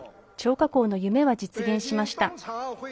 張家口の夢は実現しました。